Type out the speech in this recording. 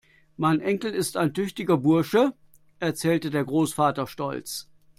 Mein Enkel ist ein tüchtiger Bursche, erzählte der Großvater stolz.